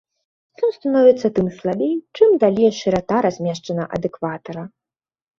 Ён становіцца тым слабей, чым далей шырата размешчана ад экватара.